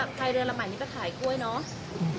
ขอบคุณทุกคน